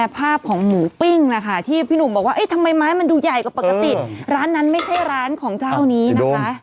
ภาพของหมูปิ้งล่ะค่ะที่พี่หนุ่มบอกว่าเอ๊ะทำไมไม้มันดูใหญ่กว่าปกติร้านนั้นไม่ใช่ร้านของเจ้านี้นะคะ